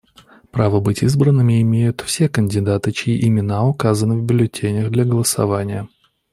Право быть избранными имеют все кандидаты, чьи имена указаны в бюллетенях для голосования.